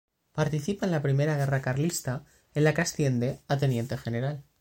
Participa en la primera Guerra carlista en la que asciende a Teniente General.